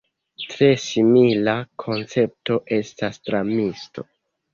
Tre simila koncepto estas dramisto.